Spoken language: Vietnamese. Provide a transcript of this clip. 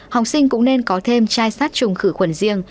học sinh cũng nên có thêm chai sát trùng khử khuẩn riêng